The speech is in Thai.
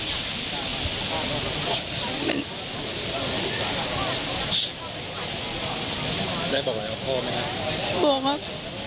ได้ประวัติของพ่อไหมครับพ่อพ่อครับ